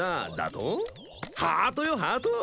ハートよハート！